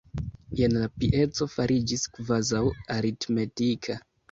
Jen la pieco fariĝis kvazaŭ 'aritmetika'.